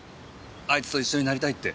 あいつと一緒になりたいって。